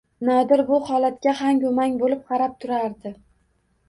Nodir bu holatga hangu-mang bo‘lib qarab turardi.